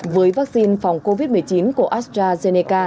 với vaccine phòng covid một mươi chín của astrazeneca